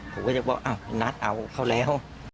ผมก็จะบอกอ้าวนัดเอาเขาแล้ว